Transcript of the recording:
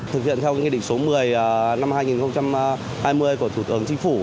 thực hiện theo nghị định số một mươi năm hai nghìn hai mươi của thủ tướng chính phủ